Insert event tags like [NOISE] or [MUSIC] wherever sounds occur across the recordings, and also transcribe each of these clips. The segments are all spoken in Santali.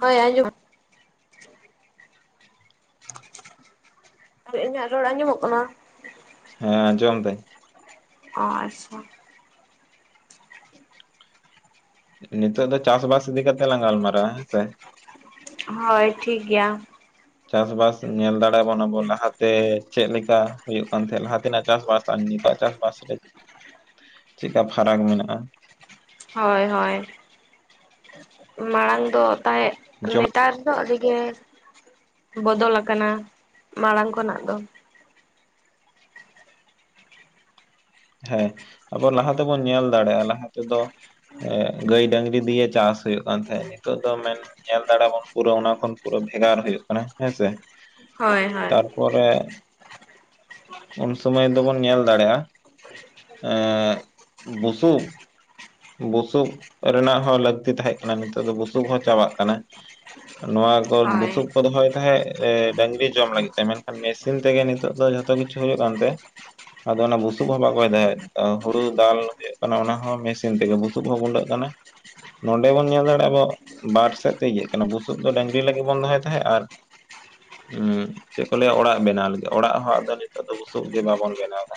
ᱦᱳᱭ, [UNINTELLIGIBLE] ᱟᱨ ᱤᱧᱟᱹᱜ ᱨᱚᱲ ᱟᱸᱡᱚᱢᱚᱼᱜ ᱠᱟᱱᱟ᱾ ᱦᱮᱸ ᱟᱸᱡᱚᱢ ᱫᱟᱹᱧ᱾ ᱟᱪᱪᱷᱟᱼᱼ [INAUDIBLE] ᱱᱤᱛᱚᱜ ᱫᱚ ᱪᱟᱥ ᱵᱟᱥ ᱤᱫᱤ ᱠᱟᱛᱮᱜ ᱞᱟᱝ ᱜᱟᱞᱢᱟᱨᱟᱜᱼᱟ ᱦᱮᱸ ᱥᱮ ᱦᱳᱭ ᱴᱷᱤᱠ ᱜᱮᱭᱟ ᱪᱟᱥᱵᱟᱥ ᱧᱮᱞ ᱫᱟᱲᱮᱭᱟᱵᱚᱱ ᱞᱟᱦᱟᱛᱮ ᱪᱮᱫᱞᱮᱠᱟ ᱦᱩᱭᱩᱜ ᱠᱟᱱ ᱛᱟᱦᱮᱸᱡ ᱞᱟᱦᱟ ᱛᱮᱱᱟᱜ ᱪᱟᱥᱵᱟᱥ ᱟᱨ ᱱᱤᱛᱟᱜ ᱪᱟᱥᱵᱟᱥ ᱨᱮ ᱪᱤᱠᱟ ᱯᱷᱟᱨᱟᱠ ᱢᱮᱱᱟᱜᱼᱟ ᱦᱳᱭ ᱦᱳᱭ [INAUDIBLE] ᱢᱟᱲᱟᱝ ᱫᱚ ᱛᱟᱦᱮᱸᱫ ᱢᱤᱛ ᱡᱚᱢ ᱱᱮᱛᱟᱨ ᱫᱚ ᱟᱹᱰᱤ ᱜᱮ ᱵᱚᱫᱚᱞ ᱟᱠᱟᱱᱟ ᱢᱟᱲᱟᱝ ᱠᱷᱚᱱᱟᱜ ᱫᱚ ᱦᱮᱸ ᱟᱵᱚ ᱞᱟᱦᱟ ᱛᱮᱵᱚᱱ ᱧᱮᱞ ᱫᱟᱲᱮᱭᱟᱜᱼᱟ ᱞᱟᱦᱟ ᱛᱮᱫᱚ ᱮᱸ ᱜᱟᱹᱭ ᱰᱟᱝᱨᱤ ᱫᱤᱭᱮ ᱪᱟᱥ ᱦᱩᱭᱩᱜ ᱠᱟᱱ ᱛᱟᱦᱮᱸᱜ ᱱᱤᱛᱚᱜ ᱫᱚ ᱢᱮᱱ ᱧᱮᱞ ᱫᱟᱲᱮᱵᱚᱱ ᱯᱩᱨᱟᱹ ᱚᱱᱟ ᱠᱷᱚᱱ ᱯᱩᱨᱟᱹ ᱵᱷᱮᱜᱟᱨ ᱦᱩᱭᱩᱜ ᱠᱟᱱᱟ ᱦᱮᱸᱥᱮ ᱦᱳᱭ ᱦᱳᱭ ᱯᱚᱨᱮ ᱩᱱ ᱥᱚᱢᱚᱭ ᱫᱚᱵᱚᱱ ᱧᱮᱞ ᱫᱟᱲᱮᱭᱟᱜᱼᱟ ᱮᱸᱻᱜ ᱵᱩᱥᱩᱵ ᱵᱩᱥᱩᱵ ᱨᱮᱱᱟᱜ ᱦᱚᱸ ᱞᱟᱹᱠᱛᱤ ᱛᱟᱸᱦᱮᱸ ᱠᱟᱱᱟ ᱱᱤᱛᱚᱜ ᱫᱚ ᱵᱩᱥᱩᱵ ᱦᱚᱸ ᱪᱟᱵᱟᱜ ᱠᱟᱱᱟ ᱱᱚᱣᱟ ᱠᱚ ᱦᱳᱭ ᱵᱩᱥᱩᱵ ᱠᱚ ᱫᱚᱦᱚᱭ ᱛᱟᱦᱮᱸᱫ ᱰᱟᱝᱨᱤ ᱡᱚᱢ ᱞᱟᱜᱤᱫ ᱛᱮ ᱢᱮᱱᱠᱷᱟᱱ ᱢᱮᱥᱤᱱ ᱛᱮᱜᱮ ᱱᱤᱛᱚᱜ ᱫᱚ ᱡᱷᱚᱛᱚ ᱠᱤᱪᱷᱩ ᱦᱩᱭᱩᱜ ᱠᱟᱱ ᱛᱮ ᱟᱫᱚ ᱚᱱᱮ ᱵᱩᱥᱼᱼ ᱵᱩᱥᱩᱵ ᱦᱚᱸ ᱵᱟᱵᱚ ᱫᱟᱭᱮᱫ ᱚ ᱦᱩᱲᱩ ᱫᱟᱞ ᱦᱳᱭᱩᱜ ᱠᱟᱱᱟ ᱚᱱᱟ ᱦᱚᱸ ᱢᱮᱥᱤᱱ ᱛᱮᱜᱮ ᱵᱩᱥᱩᱵ ᱦᱚᱸ ᱜᱩᱸᱰᱟᱹᱜ ᱠᱟᱱᱟ ᱱᱚᱰᱮ ᱵᱚᱱ ᱧᱮᱞ ᱫᱟᱲᱮᱭᱟᱜᱼᱟ ᱟᱵᱚ ᱵᱟᱨ ᱥᱮᱫ ᱛᱮ ᱤᱭᱟᱹᱜ ᱠᱟᱱᱟ ᱵᱩᱥᱩᱵ ᱫᱚ ᱰᱟᱝᱨᱤ ᱞᱟᱜᱤᱫ ᱵᱚᱱ ᱫᱚᱦᱚᱭ ᱛᱟᱦᱮᱸᱫ ᱟᱨ ᱩᱸᱜ ᱪᱮᱫ ᱠᱚ ᱞᱟᱹᱭᱟ ᱚᱲᱟᱜ ᱵᱮᱱᱟᱣ ᱞᱟᱜᱤᱫ ᱚᱲᱟᱜ ᱦᱚᱸ ᱟᱫᱚ ᱱᱤᱛᱚᱜ ᱫᱚ ᱵᱩᱥᱩᱵ ᱛᱮ ᱵᱟᱵᱚᱱ ᱵᱮᱱᱟᱣᱫᱟ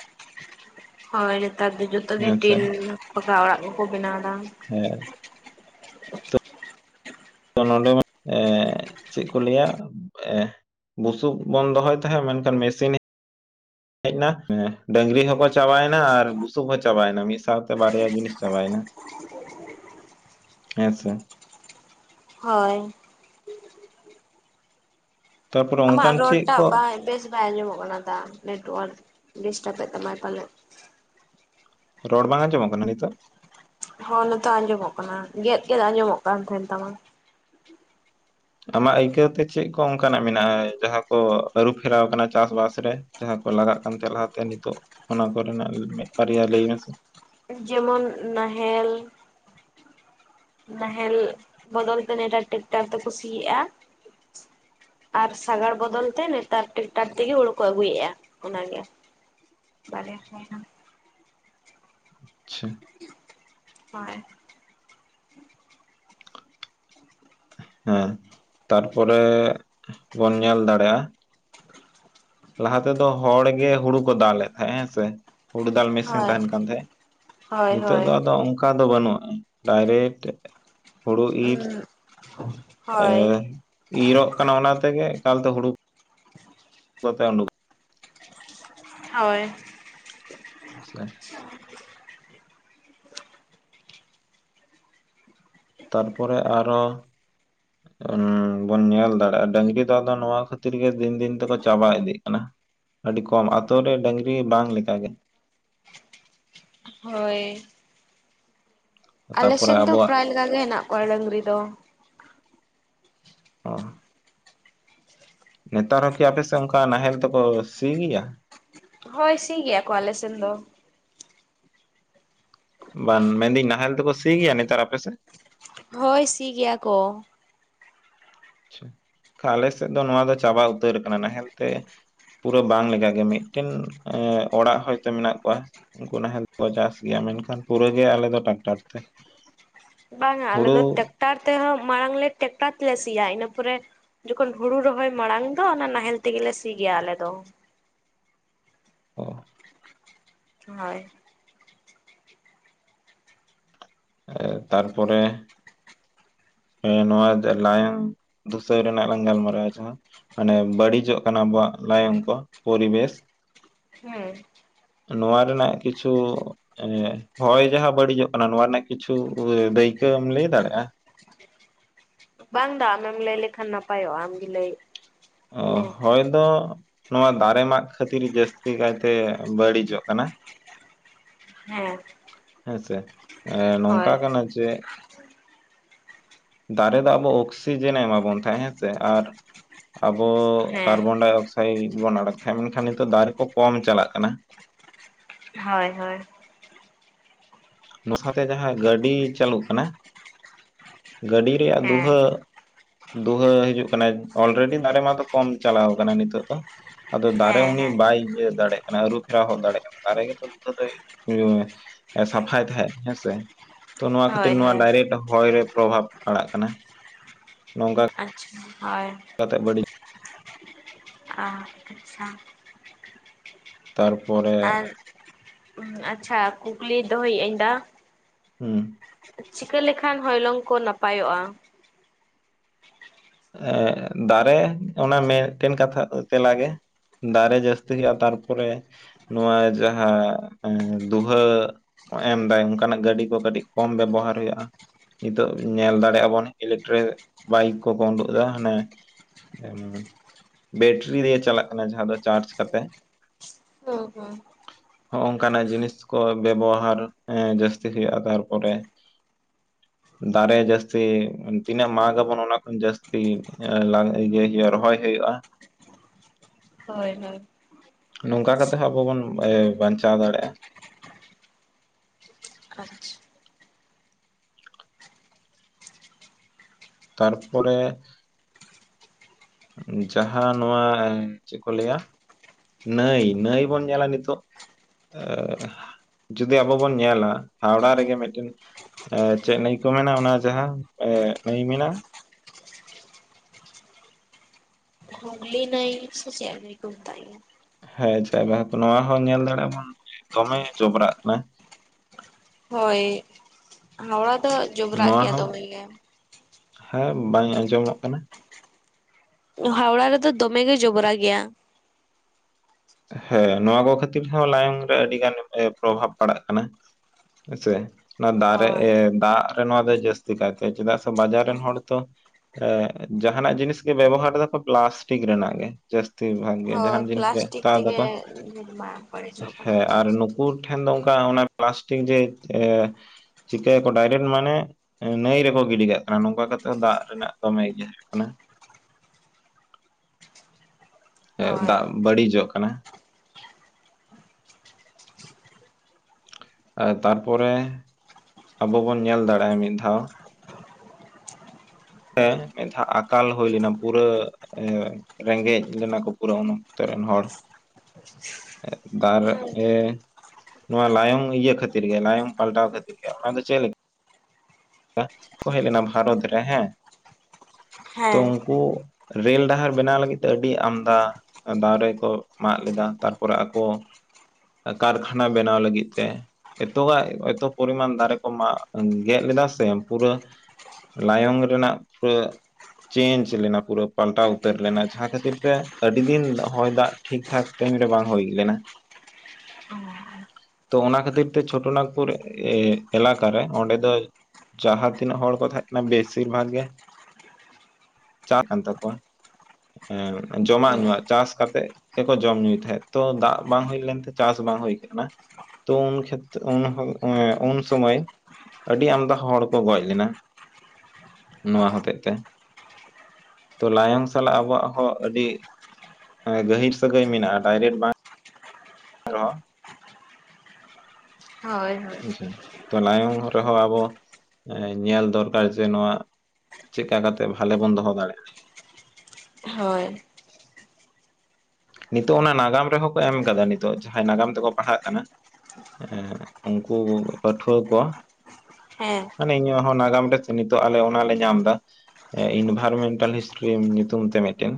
ᱦᱚᱭ ᱱᱮᱛᱟᱨ ᱫᱚ ᱡᱚᱛᱚ ᱜᱤ ᱦᱮᱸᱥᱮ ᱴᱤᱱ ᱯᱟᱠᱟ ᱚᱲᱟᱜ ᱠᱚᱠᱚ ᱵᱮᱱᱟᱣ ᱫᱟ ᱦᱮᱸ ᱛᱚ ᱱᱚᱸᱰᱮ ᱢᱤᱫ ᱮᱸ ᱪᱮᱫ ᱠᱚ ᱞᱟᱹᱭᱟ ᱮᱸ ᱵᱩᱥᱩᱵ ᱵᱚᱱ ᱫᱚᱦᱚᱭ ᱛᱟᱦᱮᱸᱜ ᱢᱮᱱᱠᱷᱟᱱ ᱢᱮᱥᱤᱱ ᱦᱮᱡᱱᱟ ᱰᱟᱝᱨᱤ ᱦᱚᱸᱠᱚ ᱪᱟᱵᱟᱭᱮᱱᱟ ᱟᱨ ᱵᱩᱥᱩᱵ ᱦᱚᱸ ᱪᱟᱵᱟᱭᱱᱟ ᱢᱤᱫ ᱥᱟᱶᱛᱮ ᱵᱟᱨᱭᱟ ᱡᱤᱱᱤᱥ ᱪᱟᱵᱟᱭᱱᱟ [INAUDIBLE] ᱦᱮᱸᱥᱮ ᱦᱳᱭ ᱛᱟᱨᱯᱚᱨᱮ ᱚᱱᱠᱟᱱ ᱟᱢᱟᱜ ᱨᱚᱲ ᱪᱮᱫ ᱠᱚ ᱴᱟᱜ ᱵᱟᱭ ᱵᱮᱥ ᱵᱟᱭ ᱟᱸᱡᱚᱢᱚᱜ ᱠᱟᱱᱟ ᱫᱟᱢ ᱱᱮᱴᱣᱟᱹᱨᱠ ᱰᱤᱥᱴᱟᱹᱵᱮᱫ ᱛᱟᱢᱟᱭ ᱯᱟᱞᱮᱫ? ᱨᱚᱲ ᱵᱟᱝ ᱟᱸᱡᱚᱢᱚᱜ ᱠᱟᱱᱟ ᱱᱤᱛᱚᱜ? ᱦᱚᱸ ᱱᱤᱛᱚᱜ ᱟᱸᱡᱚᱢᱚᱜ ᱠᱟᱱᱟ ᱜᱮᱫ ᱜᱮᱫ ᱟᱸᱡᱚᱢᱚᱜ ᱠᱟᱱ ᱛᱟᱦᱮᱱ ᱛᱟᱢᱟ ᱟᱢᱟᱜ ᱟᱹᱭᱠᱟᱹᱣᱛᱮ ᱪᱮᱫ ᱠᱚ ᱚᱱᱠᱟᱱᱟᱜ ᱢᱮᱱᱟᱜᱼᱟ ᱡᱟᱸᱦᱟᱸ ᱠᱚ ᱟᱹᱨᱩᱯᱷᱮᱨᱟᱣ ᱠᱟᱱᱟ ᱪᱟᱥᱵᱟᱥ ᱨᱮ ᱡᱟᱸᱦᱟᱸ ᱠᱚ ᱞᱟᱜᱟᱜ ᱠᱟᱱ ᱛᱟᱸᱦᱮ ᱞᱟᱦᱟᱛᱮ ᱱᱤᱛᱚᱜ ᱚᱱᱟ ᱠᱚᱨᱮᱱᱟᱜ ᱢᱤᱫ ᱵᱟᱨᱭᱟ ᱞᱟᱹᱭ ᱵᱮᱱ ᱥᱮ? ᱡᱮᱢᱚᱱ ᱱᱟᱦᱮᱞ ᱱᱟᱦᱮᱞ ᱵᱚᱫᱚᱞ ᱛᱮ ᱱᱮᱴᱟᱨ ᱴᱮᱠᱴᱟᱨ ᱛᱮᱠᱚ ᱥᱤᱭᱮᱜᱼᱟ ᱟᱨ ᱥᱟᱜᱟᱲ ᱵᱚᱫᱚᱞ ᱛᱮ ᱱᱮᱛᱟᱨ ᱴᱮᱠᱴᱟᱨ ᱛᱮᱜᱮ ᱦᱩᱲᱩ ᱠᱚ ᱟᱜᱩᱭᱮᱼᱟ ᱚᱱᱟᱜᱮ ᱵᱟᱨᱭᱟ ᱦᱩᱭ ᱱᱟ ᱟᱪᱪᱷᱟ ᱦᱚᱭ ᱦᱮᱸ ᱛᱟᱨᱯᱚᱨᱮ ᱵᱚᱱ ᱧᱮᱞ ᱫᱟᱲᱮᱭᱟᱜᱼᱟ ᱞᱟᱦᱟ ᱛᱮᱫᱚ ᱦᱚᱲ ᱜᱮ ᱦᱩᱲᱩ ᱠᱚ ᱫᱟᱞᱮᱫ ᱛᱟᱦᱮᱸᱜ ᱦᱮᱸᱥᱮ ᱦᱩᱲᱩ ᱫᱟᱞ ᱢᱮᱥᱤᱱ ᱦᱳᱭ ᱛᱟᱦᱮᱱ ᱠᱟᱱ ᱛᱟᱸᱦᱮᱸ ᱦᱳᱭ ᱱᱤᱛᱚᱜ ᱦᱳᱭ ᱫᱚ ᱟᱫᱚ ᱚᱱᱠᱟ ᱫᱚ ᱵᱟᱱᱩᱜᱼᱟ ᱰᱟᱭᱨᱮᱠᱴ ᱦᱩᱲᱩ ᱤᱨ ᱩᱸ ᱮᱻ ᱦᱳᱭ ᱤᱨᱚᱜ ᱠᱟᱱᱟ ᱚᱱᱟᱛᱮᱜᱮ ᱮᱠᱟᱞᱛᱮ ᱦᱩᱲᱩ ᱠᱚᱛᱮ ᱩᱸᱰᱩᱜ ᱦᱚᱭ ᱦᱮᱥᱮ [INAUDIBLE] ᱛᱟᱨᱯᱚᱨᱮ ᱟᱨᱚ [UNINTELLIGIBLE] ᱵᱚᱱ ᱧᱮᱞ ᱫᱟᱲᱮᱜᱼᱟ ᱰᱟᱝᱨᱤ ᱫᱚ ᱟᱫᱚ ᱱᱚᱣᱟ ᱠᱷᱟᱹᱛᱤᱨ ᱜᱮ ᱫᱤᱱ ᱫᱤᱱ ᱛᱮᱠᱚ ᱪᱟᱵᱟ ᱤᱫᱤᱜ ᱠᱟᱱᱟ ᱟᱰᱤ ᱠᱚᱢ ᱟᱛᱳ ᱨᱮ ᱰᱟᱹᱝᱨᱤ ᱵᱟᱝ ᱞᱮᱠᱟᱜᱮ ᱦᱳᱭ ᱟᱞᱮ ᱛᱟᱨᱯᱚᱨᱮ ᱥᱮᱱ ᱫᱚ ᱟᱵᱚᱣᱟᱜ ᱯᱨᱟᱭ ᱞᱮᱠᱟᱜᱮ ᱦᱮᱱᱟᱜ ᱠᱚᱣᱟ ᱰᱟᱝᱨᱤ ᱫᱚ᱾ ᱚ ᱱᱮᱛᱟᱨ ᱦᱚᱸᱠᱤ ᱟᱯᱮ ᱥᱮᱜ ᱚᱝᱠᱟ ᱱᱟᱦᱮᱞ ᱛᱮᱠᱚ ᱥᱤ ᱜᱮᱭᱟ? ᱦᱳᱭ ᱥᱤ ᱜᱮᱭᱟ ᱠᱚ ᱟᱞᱮ ᱥᱮᱱ ᱫᱚ᱾ ᱵᱟᱱ ᱢᱮᱱᱫᱟᱹᱧ ᱱᱟᱦᱮᱞ ᱛᱮᱠᱚ ᱥᱤ ᱜᱮᱭᱟ ᱱᱮᱛᱟᱨ ᱟᱯᱮ ᱥᱮᱫ? ᱦᱚᱭ ᱥᱤ ᱜᱮᱭᱟ ᱠᱚ᱾ ᱟᱞᱮ ᱥᱮᱫ ᱫᱚ ᱱᱚᱣᱟ ᱫᱚ ᱪᱟᱵᱟ ᱩᱛᱟᱹᱨ ᱠᱟᱱᱟ ᱱᱟᱦᱮᱞᱛᱮ᱾ ᱯᱩᱨᱟᱹ ᱵᱟᱝ ᱞᱮᱠᱟᱜᱮ ᱢᱤᱫᱴᱮᱱ ᱚᱲᱟᱜ ᱦᱚᱭᱛᱳ ᱢᱮᱱᱟᱜ ᱠᱚᱣᱟ᱾ ᱩᱱᱠᱩ ᱠᱚ ᱱᱟᱦᱮᱞ ᱛᱮᱠᱚ ᱪᱟᱥ ᱜᱮᱭᱟ ᱢᱮᱱᱠᱷᱟᱱ ᱯᱩᱨᱟᱹ ᱜᱮ ᱟᱞᱮ ᱫᱚ ᱴᱟᱠᱴᱟᱨ ᱛᱮ᱾ ᱵᱟᱝᱟ ᱟᱞᱮ ᱫᱚ ᱦᱩᱲᱩ ᱴᱮᱠᱴᱟᱨ ᱛᱮᱦᱚᱸ ᱢᱟᱲᱟᱝ ᱞᱮ ᱴᱮᱠᱴᱟᱨ ᱛᱮᱞᱮ ᱥᱤᱭᱟ᱾ ᱤᱱᱟᱹ ᱯᱚᱨᱮ ᱡᱚᱠᱷᱚᱱ ᱦᱩᱲᱩ ᱨᱚᱦᱚᱭ ᱢᱟᱲᱟᱝ ᱫᱚ ᱚᱱᱟ ᱱᱟᱦᱮᱞ ᱛᱮᱜᱮᱞᱮ ᱥᱤ ᱜᱮᱭᱟ ᱟᱞᱮ ᱫᱚ᱾ ᱚ ᱦᱳᱭ ᱛᱟᱨᱯᱚᱨᱮ ᱦᱮᱸ ᱱᱚᱜ-ᱚᱭ ᱞᱟᱭᱚᱱ ᱫᱩᱥᱟᱹᱣ ᱨᱮᱱᱟᱜ ᱞᱟᱝ ᱜᱟᱞᱢᱟᱨᱟᱣ ᱡᱟᱦᱟᱸ᱾ ᱢᱟᱱᱮ ᱵᱟᱹᱲᱤᱡᱚᱜ ᱠᱟᱱᱟ ᱟᱵᱚᱣᱟᱜ ᱞᱟᱭᱚᱝ ᱠᱚ ᱯᱚᱨᱤᱵᱮᱥ᱾ ᱦᱩᱸ᱾ ᱱᱚᱣᱟ ᱨᱮᱱᱟᱜ ᱠᱤᱪᱷᱩ ᱮ ᱦᱚᱭ ᱡᱟᱦᱟᱸ ᱵᱟᱹᱲᱤᱡᱚᱜ ᱠᱟᱱᱟ ᱱᱚᱣᱟ ᱨᱮᱱᱟᱜ ᱠᱤᱪᱷᱩ ᱫᱟᱹᱭᱠᱟᱹᱢ ᱞᱟᱹᱭ ᱫᱟᱲᱮᱭᱟᱜᱼᱟ? ᱵᱟᱝ ᱫᱟ ᱟᱢᱮᱢ ᱞᱟᱹᱭ ᱞᱮᱠᱷᱟᱱ ᱱᱟᱯᱟᱭᱚᱜᱼᱟ ᱟᱢᱜᱮ ᱞᱟᱹᱭ ᱚ ᱢᱮ ᱦᱚᱭ ᱫᱚ ᱱᱚᱣᱟ ᱫᱟᱨᱮ ᱢᱟᱜ ᱠᱷᱟᱹᱛᱤᱨ ᱡᱟᱹᱥᱛᱤ ᱠᱟᱭᱛᱮ ᱵᱟᱹᱲᱤᱡᱚᱜ ᱠᱟᱱᱟ᱾ [INAUDIBLE] ᱦᱮᱸ ᱦᱮᱸᱥᱮ ᱱᱚᱝᱠᱟ ᱦᱳᱭ ᱠᱟᱱᱟ ᱡᱮ ᱫᱟᱨᱮ ᱫᱚ ᱟᱵᱚ ᱚᱠᱥᱤᱡᱮᱱᱮ ᱮᱢᱟ ᱵᱚᱱ ᱛᱟᱦᱮᱸᱫ ᱦᱮᱸᱥᱮ ᱟᱨ ᱟᱵᱚ ᱦᱮᱸ ᱠᱟᱨᱵᱚᱱᱰᱟᱭ ᱚᱠᱥᱟᱭ ᱤᱴ ᱵᱚᱱ ᱟᱲᱟᱜ ᱛᱟᱦᱮᱸᱜ ᱢᱮᱱᱠᱷᱟᱱ ᱱᱤᱛᱚᱜ ᱫᱟᱨᱮ ᱠᱚ ᱠᱚᱢ ᱪᱟᱞᱟᱜ ᱠᱟᱱᱟ᱾ ᱦᱳᱭ ᱦᱳᱭ ᱱᱚᱥᱟᱛᱮ ᱡᱟᱦᱟᱸ ᱜᱟᱹᱰᱤ ᱪᱟᱹᱞᱩᱜ ᱠᱟᱱᱟ᱾ ᱜᱟᱹᱰᱤ ᱨᱮᱭᱟᱜ ᱦᱮᱸ ᱫᱩᱦᱟᱹ ᱫᱩᱦᱟᱹ ᱦᱤᱡᱩᱜ ᱠᱟᱱᱟᱭ ᱚᱞᱨᱮᱰᱤ ᱫᱟᱨᱮ ᱢᱟᱛᱚ ᱠᱚᱢ ᱪᱟᱞᱟᱣ ᱠᱟᱱᱟ ᱱᱤᱛᱚᱜ ᱫᱚ᱾ ᱟᱫᱚ ᱫᱟᱨᱮ ᱦᱮᱸ ᱩᱱᱤ ᱦᱮᱸ ᱵᱟᱭ ᱤᱭᱟᱹ ᱫᱟᱲᱮᱜ ᱠᱟᱱᱟ ᱟᱨᱩᱵ ᱯᱷᱮᱨᱟᱣ ᱦᱚ ᱫᱟᱲᱮᱜᱼᱟ ᱫᱟᱨᱮ ᱜᱮᱛᱚ ᱫᱩᱦᱟᱹ ᱫᱚᱭ ᱥᱟᱯᱷᱟᱭ ᱛᱟᱦᱮᱸᱫ ᱦᱮᱸᱥᱮ᱾ ᱛᱚ ᱱᱚᱣᱟ ᱠᱷᱟᱹᱛᱤᱨ ᱦᱳᱭ ᱱᱚᱣᱟ ᱦᱳᱭ ᱰᱟᱭᱨᱮᱠᱴ ᱦᱚᱭ ᱨᱮ ᱯᱨᱚᱵᱷᱟᱵᱽ ᱯᱟᱲᱟᱜ ᱠᱟᱱᱟ᱾ᱱᱚᱝ ᱟᱪᱪᱷᱟ ᱦᱳᱭ ᱠᱟᱛᱮ ᱵᱟᱹᱲᱤᱡ ᱟᱪᱪᱷᱟ ᱪᱷᱟ ᱛᱟᱨᱯᱚᱨᱮ ᱟᱨ ᱟᱪᱪᱷᱟ ᱠᱩᱠᱞᱤᱭ ᱫᱚᱦᱚᱭᱮᱫᱟᱹᱧ ᱫᱟ᱾ ᱦᱩᱸ ᱪᱤᱠᱟᱹ ᱞᱮᱠᱷᱟᱱ ᱦᱚᱭᱞᱚᱝ ᱠᱚ ᱱᱟᱯᱟᱭᱚᱜᱼᱟ? ᱮ ᱫᱟᱨᱮ ᱚᱱᱟ ᱢᱤᱫᱴᱮᱱ ᱠᱟᱛᱷᱟ ᱫᱚ ᱛᱮᱞᱟᱜᱮ᱾ ᱫᱟᱨᱮ ᱡᱟᱹᱥᱛᱤ ᱦᱩᱭᱩᱜᱼᱟ, ᱛᱟᱨᱯᱚᱨᱮ ᱱᱚᱣᱟ ᱡᱟᱦᱟᱸ ᱮ ᱫᱩᱦᱟᱹ ᱚ ᱮᱢᱫᱟᱭ ᱚᱱᱠᱟᱱᱟᱜ ᱜᱟᱹᱰᱤ ᱠᱚ ᱠᱟᱹᱴᱤᱡ ᱠᱚᱢ ᱵᱮᱵᱚᱦᱟᱨ ᱦᱩᱭᱩᱜᱼᱟ᱾ ᱱᱤᱛᱚᱜ ᱧᱮᱞ ᱫᱟᱲᱮᱭᱟᱜ ᱟᱵᱚᱱ ᱤᱞᱮᱠᱴᱨᱤᱠ ᱵᱟᱭᱤᱠ ᱠᱚᱠᱚ ᱩᱰᱩᱠ ᱮᱫᱟ᱾ ᱦᱟᱱᱮ ᱮᱢᱚᱱ ᱵᱮᱴᱨᱤ ᱫᱤᱭᱮ ᱪᱟᱞᱟᱜ ᱠᱟᱱᱟ ᱡᱟᱦᱟᱸ ᱫᱚ ᱪᱟᱨᱡ ᱠᱟᱛᱮ᱾ ᱚ ᱦᱚᱸ [UNINTELLIGIBLE] ᱦᱚᱜ ᱚᱱᱠᱟᱱᱟᱜ ᱡᱤᱱᱤᱥ ᱠᱚ ᱵᱮᱵᱚᱦᱟᱨ ᱡᱟᱹᱥᱛᱤ ᱦᱩᱭᱩᱜᱼᱟ᱾ ᱛᱟᱨᱯᱚᱨᱮ ᱫᱟᱨᱮ ᱡᱟᱹᱥᱛᱤ ᱛᱤᱱᱟᱹᱜ ᱢᱟᱜ ᱟᱵᱚᱱ ᱚᱱᱟ ᱡᱟᱹᱥᱛᱤ ᱮ ᱞᱟᱝ ᱤᱡᱟᱹᱭ ᱦᱩᱭᱩᱜ-ᱟ, ᱨᱚᱦᱚᱭ ᱦᱩᱭᱩᱜᱼᱟ᱾ ᱦᱳᱭ - ᱦᱳᱭ ᱱᱚᱝᱠᱟ ᱠᱟᱛᱮᱜ ᱦᱚᱸ ᱟᱵᱚ ᱚᱵᱚᱱ ᱵᱟᱧᱪᱟᱣ ᱫᱟᱲᱮᱭᱟᱜᱼᱟ᱾ ᱟᱪᱪᱷᱟ ᱛᱟᱨᱯᱚᱨᱮ ᱡᱟᱦᱟᱸ ᱱᱚᱣᱟ ᱪᱮᱫ ᱠᱚ ᱞᱟᱹᱭᱟ! ᱱᱟᱹᱭ-ᱱᱟᱹᱭ ᱵᱚᱱ ᱧᱮᱞᱟ ᱱᱤᱛᱚᱜ! ᱡᱩᱫᱤ ᱟᱵᱚ ᱵᱚᱱ ᱧᱮᱞᱼᱟ ᱦᱟᱣᱲᱟ ᱨᱮᱜᱮ ᱢᱤᱫᱴᱮᱱᱼᱼ ᱮᱸᱻ ᱪᱮᱫ ᱱᱟᱹᱭ ᱠᱚ ᱢᱮᱱᱟ ᱚᱱᱟ ᱡᱟᱦᱟᱸ ᱮᱸᱻ ᱱᱟᱹᱭ ᱢᱮᱱᱟ᱾ ᱦᱩᱜᱞᱤ ᱱᱟᱹᱭ ᱥᱮ ᱪᱮᱫ ᱱᱟᱹᱭ ᱠᱚ ᱢᱮᱛᱟᱜ ᱜᱮᱭᱟ ᱾ ᱦᱮᱸ ᱡᱟᱭ ᱵᱟᱦᱚᱠ ᱱᱚᱣᱟ ᱦᱚᱸ ᱧᱮᱞ ᱫᱟᱲᱮᱜᱼᱟ ᱵᱚᱱ ᱫᱚᱢᱮ ᱡᱚᱵᱽᱨᱟᱼᱜ ᱠᱟᱱᱟ᱾ ᱦᱳᱭ ᱦᱚᱣᱲᱟ ᱫᱚ ᱡᱚᱵᱽᱨᱟᱼᱜ ᱱᱚᱣᱟ ᱜᱮᱭᱟ ᱦᱚᱸ ᱫᱚᱢᱮᱜᱮ᱾ ᱦᱮᱸ ᱵᱟᱹᱧ ᱟᱸᱡᱚᱢᱚᱜ ᱠᱟᱱᱟ᱾ ᱦᱟᱣᱲᱟ ᱨᱮᱫᱚ ᱫᱚᱢᱮ ᱜᱮ ᱡᱚᱵᱽᱨᱟ ᱜᱮᱭᱟ᱾ ᱦᱮ ᱱᱚᱣᱟ ᱠᱚ ᱠᱷᱟᱹᱛᱤᱨ ᱛᱮᱦᱚᱸ ᱞᱟᱭᱚᱝ ᱨᱮ ᱟᱹᱰᱤ ᱜᱟᱱ ᱮ ᱯᱨᱚᱵᱷᱟᱵ ᱯᱟᱲᱟᱜ ᱠᱟᱱᱟ, ᱦᱮ ᱪᱮ! ᱚᱱᱟ ᱫᱟᱨᱮ ᱮ ᱦᱳᱭ ᱫᱟᱜ ᱨᱮ ᱱᱚᱣᱟ ᱫᱚ ᱡᱟᱹᱥᱛᱤ ᱠᱟᱭᱛᱮ ᱪᱮᱫᱟᱜ ᱥᱮ ᱵᱟᱡᱟᱨ ᱨᱮᱱ ᱦᱚᱲ ᱛᱚ, ᱮ ᱡᱟᱦᱟᱸᱱᱟᱜ ᱡᱤᱱᱤᱥ ᱜᱮ ᱵᱮᱵᱚᱦᱟᱨ ᱮᱫᱟ ᱠᱚ ᱯᱟᱞᱟᱥᱴᱤᱠ ᱨᱮᱱᱟᱜ ᱜᱮ᱾ ᱡᱟᱹᱥᱛᱤ ᱵᱷᱟᱜᱽ ᱜᱮ ᱦᱳᱭ ᱡᱟᱦᱟᱸᱱ ᱡᱤᱱᱤᱥ ᱜᱮ, ᱯᱞᱟᱥᱴᱤᱠ ᱦᱟᱛᱟᱣ ᱛᱮᱜᱮ ᱫᱟᱠᱚ ᱱᱤᱛ ᱢᱟ ᱵᱟᱹᱲᱤᱡᱚᱜ ᱠᱟᱱᱟ [UNINTELLIGIBLE] ᱯᱩᱨ ᱴᱷᱮᱱ ᱫᱚ ᱚᱸᱠᱟ ᱚᱱᱟ ᱯᱟᱞᱟᱥᱴᱤᱠ ᱡᱮ ᱮ ᱪᱤᱠᱟᱹᱭᱟᱠᱚ ᱰᱟᱭᱨᱮᱴ ᱢᱟᱱᱮ ᱱᱟᱹᱭ ᱨᱮᱠᱚ ᱜᱤᱰᱤ ᱠᱟᱜ ᱠᱟᱱᱟ ᱱᱚᱝᱠᱟ ᱠᱟᱛᱮᱜ ᱦᱚᱸ ᱫᱟᱜ ᱨᱮᱱᱟᱜ ᱫᱚᱢᱮ ᱤᱭᱟᱹ ᱦᱩᱭᱩᱜ ᱠᱟᱱᱟ᱾ ᱮ ᱦᱳᱭ ᱫᱟᱜ ᱵᱟᱹᱲᱤᱡᱚᱜ ᱠᱟᱱᱟ᱾ ᱛᱟᱨᱯᱚᱨᱮ ᱟᱵᱚ ᱵᱚᱱ ᱧᱮᱞ ᱫᱟᱲᱮᱜ-ᱟ ᱢᱤᱫ ᱫᱷᱟᱣ ᱢᱤᱫ ᱫᱷᱟᱣ ᱟᱠᱟᱞ ᱦᱩᱭ ᱞᱮᱱᱟ ᱯᱩᱨᱟᱹ ᱨᱮᱸᱜᱮᱡ ᱞᱮᱱᱟ ᱠᱚ ᱯᱩᱨᱟᱹ ᱩᱱ ᱚᱠᱛᱚ ᱨᱮᱱ ᱦᱚᱲ᱾ [INAUDIBLE] ᱦᱳᱭ [UNINTELLIGIBLE] ᱱᱚᱣᱟ ᱞᱟᱭᱚᱝ ᱤᱭᱟᱹ ᱠᱷᱟᱹᱛᱤᱨ ᱜᱮ ᱞᱟᱭᱚᱝ ᱯᱟᱞᱴᱟᱣ ᱠᱷᱟᱹᱛᱤᱨ ᱜᱮ ᱚᱱᱟ ᱫᱚ ᱪᱮᱫ ᱞᱮ ᱠᱚ ᱦᱮᱡ ᱞᱮᱱᱟ ᱵᱷᱟᱨᱚᱛ ᱨᱮ ᱦᱮᱸ ᱛᱚ ᱦᱮᱸ ᱩᱱᱠᱩ ᱨᱮᱞ ᱰᱟᱦᱟᱨ ᱵᱮᱱᱟᱣ ᱞᱟᱹᱜᱤᱫ ᱛᱮ ᱟᱹᱰᱤ ᱟᱢᱫᱟ ᱫᱟᱣᱨᱮ ᱠᱚ ᱢᱟᱜ ᱞᱮᱫᱟ ᱛᱟᱨᱯᱚᱨᱮ ᱟᱠᱚ ᱠᱟᱨᱠᱷᱟᱱᱟ ᱵᱮᱱᱟᱣ ᱞᱟᱹᱜᱤᱫ ᱛᱮ᱾ ᱮᱛᱚᱜᱟᱡ ᱮᱛᱚ ᱯᱚᱨᱤᱢᱟᱱ ᱫᱟᱨᱮ ᱠᱚ ᱢᱟᱜ ᱜᱮᱫ ᱞᱮᱫᱟ ᱥᱮ ᱯᱩᱨᱟᱹ ᱞᱟᱭᱚᱝ ᱨᱮᱱᱟᱜ ᱯᱩᱨᱟᱹ ᱪᱮ ᱮᱢ ᱪᱮᱫ ᱞᱮᱱᱟ ᱯᱩᱨᱟᱹ ᱯᱟᱞᱴᱟᱣ ᱩᱛᱟᱹᱨ ᱞᱮᱱᱟ ᱡᱟᱦᱟᱸ ᱠᱷᱟᱹᱛᱤᱨ ᱛᱮ ᱟᱹᱰᱤ ᱫᱤᱱ ᱦᱚᱭ ᱫᱟᱜ-ᱼ ᱴᱷᱤᱠ ᱴᱷᱟᱠ ᱯᱮᱢᱮᱱᱴ ᱵᱟᱝ ᱦᱩᱭ ᱞᱮᱱᱟ᱾ ᱛᱚ ᱚᱱᱟ ᱠᱷᱟᱹᱛᱤᱨ ᱛᱮ ᱪᱷᱳᱴᱳ ᱱᱟᱜᱽᱯᱩᱨ ᱮ ᱮᱞᱟᱠᱟᱨᱮ ᱚᱸᱰᱮ ᱫᱚ ᱡᱟᱦᱟᱸ ᱛᱤᱱᱟᱹᱜ ᱦᱚᱲ ᱠᱚ ᱛᱟᱦᱮᱸ ᱠᱟᱱᱟ ᱵᱮᱥᱤᱨ ᱵᱷᱟᱜᱽ ᱜᱮ ᱪᱟᱞ ᱠᱟᱱ ᱛᱟᱠᱚᱣᱟ᱾ ᱤᱸᱜ ᱡᱚᱢᱟᱜ ᱧᱩᱣᱟᱜ ᱦᱮᱸ ᱪᱟᱥ ᱠᱟᱛᱮᱜ ᱛᱮᱠᱚ ᱡᱚᱢ ᱧᱩᱭ ᱛᱟᱦᱮᱸᱫ ᱛᱚ ᱫᱟᱜ ᱵᱟᱝ ᱦᱩᱭ ᱞᱮᱱᱛᱮ ᱪᱟᱥ ᱵᱟᱝ ᱦᱩᱭ ᱠᱟᱱᱟ᱾ ᱛᱚ ᱩᱱ ᱠᱷᱮᱛ ᱩᱱ ᱩᱱ ᱥᱚᱢᱚᱭ ᱟᱹᱰᱤ ᱟᱢᱫᱟ ᱦᱚᱲ ᱠᱚ ᱜᱚᱡ ᱞᱮᱱᱟ ᱱᱚᱣᱟ ᱦᱚᱛᱮᱡ ᱛᱮ᱾ ᱛᱚ ᱞᱟᱭᱚᱝ ᱥᱟᱞᱟᱜ ᱟᱵᱚᱣᱟᱜ ᱦᱚᱸ ᱟᱹᱰᱤᱼᱼ ᱦᱮᱸ ᱜᱟᱹᱦᱤᱨ ᱥᱟᱹᱜᱟᱹᱭ ᱢᱮᱱᱟᱜ-ᱟ ᱰᱟᱭᱨᱮᱠᱴ ᱵᱟᱝ ᱵᱟᱝ ᱨᱮᱦᱚᱸᱼᱼ ᱦᱳᱭ ᱦᱳᱭ ᱟᱪᱪᱷᱟ ᱛᱚ ᱞᱟᱭᱚᱝ ᱨᱮᱦᱚᱸ ᱟᱵᱚ ᱧᱮᱞ ᱫᱚᱨᱠᱟᱨ ᱡᱮ ᱱᱚᱣᱟ ᱪᱮᱫᱠᱟ ᱠᱟᱛᱮ ᱵᱷᱟᱞᱮ ᱵᱚᱱ ᱫᱚᱦᱚ ᱫᱟᱲᱮᱭᱟᱜ-ᱟ᱾ ᱦᱳᱭ ᱱᱤᱛᱚᱜ ᱚᱱᱟ ᱱᱟᱜᱟᱢ ᱨᱮᱦᱚᱸ ᱠᱚ ᱮᱢ ᱠᱟᱫᱟ ᱱᱤᱛᱚᱜ ᱡᱟᱦᱟᱸᱭ ᱱᱟᱜᱟᱢ ᱛᱮᱠᱚ ᱯᱟᱲᱦᱟᱜ ᱠᱟᱱᱟ᱾ ᱮᱸᱜ ᱩᱱᱠᱩ ᱯᱟᱹᱴᱷᱣᱟᱹ ᱠᱚ᱾ ᱦᱮᱸ ᱢᱟᱱᱮ ᱤᱧᱟᱹᱜ ᱦᱚᱸ ᱱᱟᱜᱟᱢ ᱨᱮ ᱥᱮ ᱱᱤᱛᱚᱜ ᱟᱞᱮ ᱚᱱᱟᱞᱮ ᱧᱟᱢ ᱫᱟ᱾ ᱤᱸᱜ ᱤᱱᱵᱷᱟᱨᱢᱮᱱᱴᱟᱞ ᱦᱤᱥᱴᱨᱤ ᱧᱩᱛᱩᱢ ᱛᱮ ᱢᱤᱫᱴᱮᱱ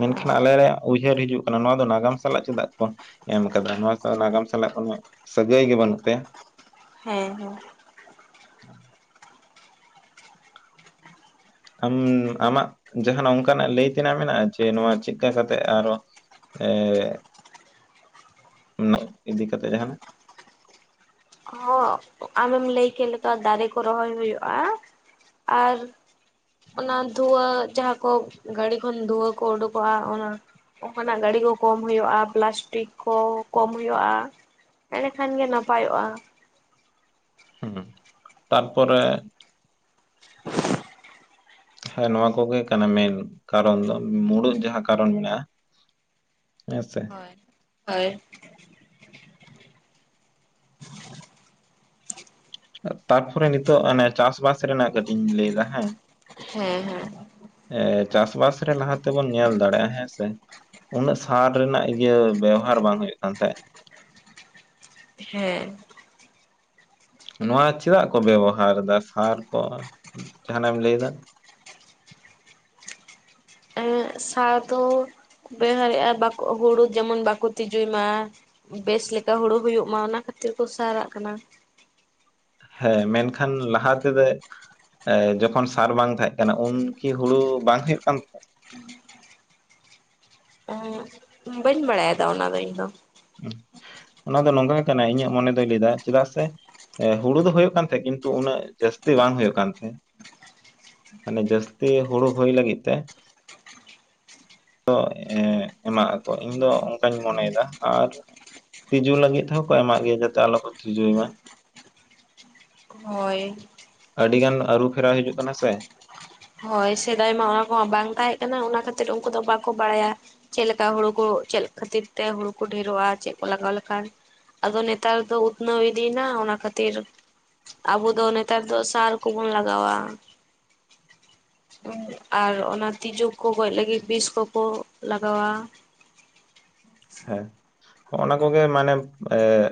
ᱢᱮᱱᱠᱷᱟᱱ ᱦᱮᱸ ᱟᱞᱮᱞᱮ ᱩᱭᱦᱟᱹᱨ ᱦᱤᱡᱩᱜ ᱠᱟᱱᱟ ᱱᱚᱣᱟ ᱫᱚ ᱱᱟᱜᱟᱢ ᱥᱟᱞᱟᱜ ᱪᱮᱫᱟᱜ ᱠᱚ ᱮᱢ ᱟᱠᱟᱫᱟ ᱱᱚᱣᱟ ᱥᱟᱞᱟ ᱱᱟᱜᱟᱢ ᱥᱟᱞᱟᱜ ᱠᱷᱚᱱ ᱦᱚᱸᱼᱼ ᱥᱟᱹᱜᱟᱹᱭ ᱜᱮ ᱵᱟᱹᱱᱩᱜ ᱛᱟᱭᱟ᱾ ᱦᱮᱸ ᱦᱮᱸ ᱟᱢ ᱟᱢᱟᱜ ᱡᱟᱦᱟᱸᱱᱟᱜ ᱚᱱᱠᱟᱱᱟᱜ ᱞᱟᱹᱭ ᱛᱮᱱᱟᱜ ᱢᱮᱱᱟᱜ-ᱟ ᱡᱮ ᱱᱚᱣᱟ ᱪᱮᱫᱠᱟ ᱠᱟᱛᱮᱜ ᱟᱨᱚᱼᱼ ᱮᱸᱜ [INAUDIBLE] [INAUDIBLE] ᱤᱫᱤ ᱠᱟᱛᱮ ᱡᱟᱦᱟᱱᱟᱜ ᱦᱚᱸ ᱟᱢᱮᱢ ᱞᱟᱹᱭ ᱠᱮᱫ ᱞᱮᱠᱟ ᱫᱟᱨᱮ ᱠᱚ ᱨᱚᱦᱚᱭ ᱦᱩᱭᱩᱜᱼᱟ᱾ ᱟᱨ ᱚᱱᱟ ᱫᱷᱩᱸᱣᱟᱹ ᱡᱟᱦᱟᱸ ᱠᱚ ᱜᱟᱹᱰᱤ ᱠᱷᱚᱱ ᱫᱷᱩᱸᱣᱟᱹ ᱠᱚ ᱩᱰᱩᱠᱚᱜᱼᱟ᱾ ᱚᱱᱟ ᱚᱱᱝᱠᱟᱱᱟᱼᱜ ᱜᱟᱹᱰᱤ ᱠᱚ ᱠᱚᱢ ᱦᱩᱭᱩᱜᱼᱟ ᱯᱮᱞᱟᱥᱴᱤᱠ ᱠᱚ ᱠᱚᱢ ᱦᱩᱭᱩᱜᱼᱟ᱾ ᱮᱸᱰᱮ ᱠᱷᱟᱱ ᱜᱮ ᱱᱟᱯᱟᱭᱚᱜᱼᱟ᱾ ᱦᱩᱸ ᱛᱟᱨᱯᱚᱨᱮ ᱦᱮᱸ ᱱᱚᱣᱟ ᱠᱚᱜᱮ ᱠᱟᱱᱟ ᱢᱮᱱ ᱠᱟᱨᱚᱱ ᱫᱚ, ᱢᱩᱲᱦᱩᱫ ᱡᱟᱦᱟᱸ ᱠᱟᱨᱚᱱ ᱢᱮᱱᱟᱜᱼᱟ᱾ ᱦᱮᱸ ᱥᱮ ᱦᱳᱭ ᱦᱳᱭ ᱛᱟᱨᱯᱚᱨᱮ ᱱᱤᱛᱚᱜ ᱚᱱᱮ ᱪᱟᱥ-ᱵᱟᱥ ᱨᱮᱱᱟᱜ ᱠᱟᱹᱴᱤᱡ ᱤᱧ ᱞᱟᱹᱭ ᱫᱟ ᱦᱮᱸᱻ ᱦᱮᱸ ᱻ ᱦᱮᱸ ᱮ ᱪᱟᱥ-ᱵᱟᱥ ᱨᱮ ᱞᱟᱦᱟ ᱛᱮᱵᱚᱱ ᱧᱮᱞ ᱫᱟᱲᱮᱭᱟᱜᱼᱟ ᱦᱮᱸᱥᱮ᱾ ᱩᱱᱟᱹᱜ ᱥᱟᱨ ᱨᱮᱱᱟᱜ ᱤᱭᱟᱹ ᱵᱮᱣᱦᱟᱨ ᱵᱟᱝ ᱦᱩᱭᱩᱼᱜ ᱠᱟᱱ ᱛᱟᱦᱮᱸᱫ ᱦᱮᱸ ᱱᱚᱣᱟ ᱪᱮᱫᱟᱜ ᱠᱚ ᱵᱮᱵᱚᱦᱟᱨ ᱫᱟ ᱥᱟᱨ ᱠᱚ ᱡᱟᱦᱱᱟᱼᱜ ᱮᱢ ᱞᱟᱹᱭ ᱫᱟ᱾ ᱮᱸᱜ ᱥᱟᱨ ᱫᱚ ᱵᱮᱣᱦᱟᱨᱮᱜᱼᱟ ᱵᱟᱠᱚ ᱦᱩᱲᱳ ᱡᱮᱢᱚᱱ ᱵᱟᱠᱚ ᱛᱤᱸᱤᱡᱩᱭ ᱢᱟ? ᱵᱮᱹᱥ ᱞᱮᱠᱟ ᱦᱩᱲᱩ ᱦᱩᱭᱩᱜ ᱢᱟ ᱚᱱᱟ ᱠᱷᱟᱹᱛᱤᱨ ᱠᱚ ᱥᱟᱨᱟᱜ ᱠᱟᱱᱟ᱾ ᱦᱮᱸ ᱢᱮᱱᱠᱷᱟᱱ ᱞᱟᱦᱟ ᱛᱮᱫᱚ! ᱮ ᱡᱚᱠᱷᱚᱱ ᱥᱟᱨ ᱵᱟᱝ ᱛᱟᱦᱮᱸᱫ ᱠᱟᱱᱟ ᱩᱱ ᱠᱤ ᱦᱩᱲᱩ ᱵᱟᱝ ᱦᱩᱭᱩᱼᱜ ᱠᱟᱱ ᱛᱟᱦᱮᱸ? ᱟᱸ ᱵᱟᱹᱧ ᱵᱟᱲᱟᱭᱼᱟ ᱛᱚ ᱚᱱᱟᱫᱚ ᱤᱧ ᱫᱚ ᱚᱱᱟ ᱫᱚ ᱱᱚᱝᱠᱟ ᱜᱮ ᱠᱟᱱᱟ ᱤᱧᱟᱹᱜ ᱢᱚᱱᱮ ᱫᱚᱭ ᱞᱟᱹᱭ ᱫᱟ ᱪᱮᱫᱟᱜ ᱥᱮ ᱦᱩᱲᱩ ᱫᱚ ᱦᱳᱭᱳᱜ ᱠᱟᱱ ᱛᱟᱦᱮᱸᱡ ᱠᱤᱱᱛᱩ ᱩᱱᱟᱹᱜ ᱡᱟᱹᱥᱛᱤ ᱵᱟᱝ ᱦᱩᱭᱩᱜ ᱠᱟᱱ ᱛᱟᱦᱮᱸᱫ᱾ ᱢᱟᱱᱮ ᱡᱟᱹᱥᱛᱤ ᱦᱩᱲᱩ ᱦᱩᱭ ᱞᱟᱹᱜᱤᱫ ᱛᱮ! ᱛᱚ ᱮᱸ ᱮᱢᱟᱜ ᱟᱠᱚ ᱤᱧ ᱫᱚ ᱚᱱᱠᱟᱧ ᱢᱚᱱᱮᱭᱮᱫᱼᱟ ᱟᱨ ᱛᱤᱡᱩ ᱞᱟᱹᱜᱤᱫ ᱛᱮ ᱦᱚᱸ ᱠᱚ ᱮᱢᱟᱜ ᱜᱮᱭᱟ, ᱡᱟᱛᱮ ᱟᱞᱚ ᱠᱚ ᱛᱤᱡᱩᱭ ᱢᱟ᱾ ᱦᱳᱭ ᱟᱹᱰᱤ ᱜᱟᱱ ᱟᱹᱨᱩ ᱯᱷᱮᱨᱟᱣ ᱦᱤᱡᱩᱜ ᱠᱟᱱᱟ ᱥᱮ᱾ ᱦᱳᱭ ᱥᱮᱫᱟᱭ ᱢᱟ ᱚᱱᱟ ᱠᱚᱼᱦᱚᱸ ᱵᱟᱝ ᱛᱟᱦᱮᱸ ᱠᱟᱱᱟ ᱚᱱᱟ ᱠᱷᱟᱹᱛᱤᱨ ᱩᱱᱠᱩ ᱫᱚ ᱵᱟᱠᱚ ᱵᱟᱲᱟᱭᱼᱟ᱾ ᱪᱮᱫ ᱞᱮᱠᱟ ᱦᱳᱲᱳ ᱠᱚ ᱪᱮᱫ ᱠᱷᱟᱹᱛᱤᱨ ᱛᱮ ᱦᱳᱲᱳ ᱠᱚ ᱰᱷᱮᱨᱚᱜᱼᱟ ᱪᱮᱫ ᱠᱚ ᱞᱟᱜᱟᱣ ᱞᱮᱠᱷᱟᱱ᱾ ᱟᱫᱚ ᱱᱮᱛᱟᱨ ᱫᱚ ᱩᱛᱱᱟᱹᱣ ᱤᱫᱤᱭᱱᱟ ᱚᱱᱟ ᱠᱷᱟᱹᱛᱤᱨ ᱟᱵᱚ ᱫᱚ ᱱᱮᱛᱟᱨ ᱫᱚ ᱥᱟᱨ ᱠᱚᱵᱚᱱ ᱞᱟᱜᱟᱣ-ᱟ᱾ ᱟᱨ ᱚᱱᱟ ᱛᱤᱡᱩ ᱠᱚ ᱜᱚᱡ ᱞᱟᱹᱜᱤᱫ ᱵᱤᱥ ᱠᱚᱼᱠᱚ ᱞᱟᱜᱟᱣᱼᱟ᱾ ᱦᱮᱸ ᱦᱚᱸᱜ ᱚᱱᱟ ᱠᱚᱼᱜᱮ ᱢᱟᱱᱮ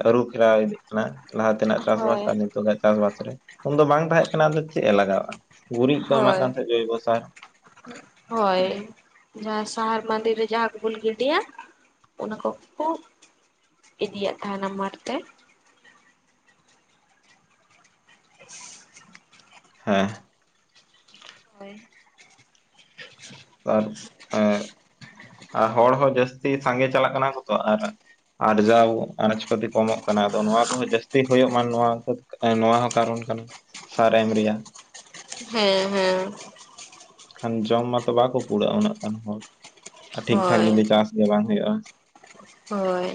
ᱟᱹᱨᱩ ᱯᱷᱮᱨᱟᱣ ᱤᱫᱤᱜ ᱠᱟᱱᱟ ᱞᱟᱦᱟ ᱛᱮᱱᱟᱜ ᱪᱟᱥ-ᱵᱟᱥ ᱦᱳᱭ ᱟᱨ ᱱᱤᱛᱚᱜ-ᱟᱜ ᱪᱟᱥ-ᱵᱟᱥ ᱨᱮ ᱩᱱᱫᱚ ᱵᱟᱝ ᱛᱟᱦᱮᱸᱜ ᱠᱟᱱᱟ ᱟᱫᱚ ᱪᱮᱫ ᱮ ᱞᱟᱜᱟᱣᱟᱜᱼᱟ᱾ ᱜᱩᱨᱤᱡ ᱠᱚ ᱮᱢᱟᱜ ᱦᱳᱭ ᱠᱟᱱ ᱛᱟᱦᱮᱸᱫ ᱡᱳᱚᱭᱵᱚ ᱥᱟᱨ ᱦᱳᱭ ᱡᱟᱦᱟᱸ ᱥᱟᱦᱟᱨ ᱢᱟᱸᱫᱮ ᱨᱮ ᱡᱟᱦᱟᱸ ᱠᱚᱵᱚᱱ ᱜᱤᱰᱤᱭᱼᱟ᱾ ᱚᱱᱟ ᱠᱚᱼᱠᱩ ᱤᱫᱤᱭᱮᱫ ᱛᱟᱦᱮᱸᱱᱟ ᱢᱟᱴᱷ ᱛᱮ ᱦᱮᱸ᱾ ᱦᱳᱭ᱾ ᱟᱨ ᱮᱸᱜ, ᱟᱨ ᱦᱚᱲ ᱦᱚᱸ ᱡᱟᱹᱥᱛᱤ ᱥᱟᱸᱜᱮ ᱪᱟᱞᱟᱜ ᱠᱟᱱᱟ ᱠᱚ ᱛᱚ ᱟᱨ ᱟᱨᱡᱟᱣ ᱟᱱᱟᱡ ᱯᱟᱹᱛᱤ ᱠᱚᱢᱚᱜ ᱠᱟᱱᱟ ᱟᱫᱚ ᱱᱚᱣᱟ ᱠᱚᱦᱚᱸ ᱡᱟᱹᱥᱛᱤ ᱦᱳᱭᱳᱜ ᱢᱟ ᱱᱚᱣᱟ ᱠᱚᱫᱚ ᱱᱚᱣᱟ ᱦᱚᱸ ᱠᱟᱨᱚᱱ ᱠᱟᱱᱟ ᱥᱟᱨ ᱮᱢ ᱨᱮᱭᱟᱜ᱾ ᱦᱮᱸ ᱦᱮᱸ᱾ ᱠᱷᱟᱱ ᱡᱚᱢ ᱢᱟᱛᱚ ᱵᱟᱠᱚ ᱠᱩᱲᱟᱹᱜᱼᱟ ᱩᱱᱟᱹᱜ ᱜᱟᱱ ᱦᱚᱲ, ᱴᱷᱤᱠ ᱴᱷᱟᱠ ᱦᱳᱭ ᱡᱩᱫᱤ ᱪᱟᱥ ᱜᱮ ᱵᱟᱝ ᱦᱩᱭᱩᱜᱼᱟ᱾ ᱦᱳᱭ᱾